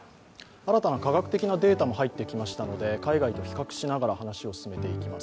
新たな科学的なデータも入ってきましたので海外と比較しながら話を進めていきます。